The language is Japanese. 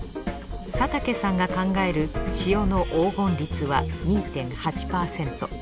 佐竹さんが考える塩の黄金率は２．８％。